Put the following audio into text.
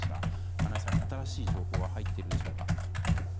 金井さん、新しい情報は入っているでしょうか。